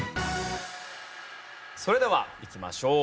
それではいきましょう。